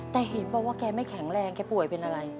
แต่เห็นบอกว่าแกไม่แข็งแรงแกป่วยเป็นอะไร